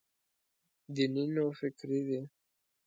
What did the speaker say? دیني نوفکري دی.